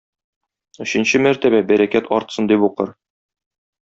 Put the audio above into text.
Өченче мәртәбә бәрәкәт артсын дип укыр.